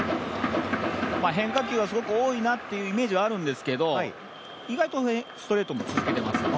変化球はすごく多いなというイメージがあるんですけど、意外とストレートも続けてますよね。